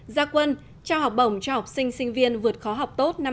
gia quân trao học bổng cho học sinh sinh viên vượt khó học tốt năm hai nghìn hai mươi